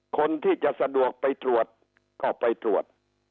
คนที่จะสะดวกไปตรวจก็ไปตรวจ